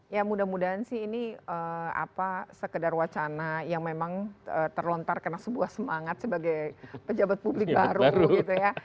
ya mudah mudahan sih ini apa sekedar wacana yang memang terlontar karena sebuah semangat sebagai pejabat publik baru gitu ya